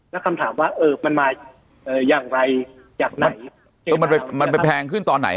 แล้วคำถามว่าเออมันมาอย่างไรจากไหนเออมันไปมันไปแพงขึ้นตอนไหน